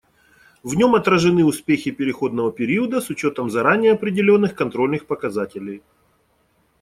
В нем отражены успехи переходного периода с учетом заранее определенных контрольных показателей.